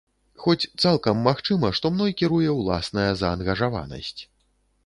Хоць, цалкам магчыма, што мной кіруе ўласная заангажаванасць.